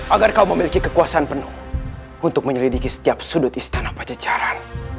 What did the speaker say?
agar kau memiliki kekuasaan penuh untuk menyelidiki setiap sudut istana pajajaran